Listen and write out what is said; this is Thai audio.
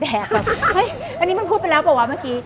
ห้อยอันนี้มันพูดไปแล้วป๋อว่าเมื่อกี้